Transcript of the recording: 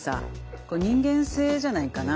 これ人間性じゃないかな？